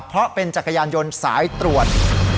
เพราะเป็นจักรยานยนต์สายตรวจ